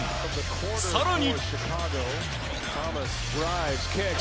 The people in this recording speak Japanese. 更に。